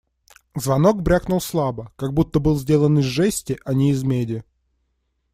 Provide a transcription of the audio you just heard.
Звонок брякнул слабо, как будто был сделан из жести, а не из меди.